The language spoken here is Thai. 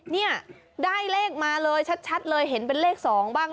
เนี่ยได้เลขมาเลยชัดเลยเห็นเป็นเลข๒บ้าง